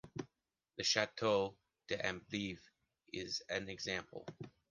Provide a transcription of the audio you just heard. The Château d'Amblève is an example.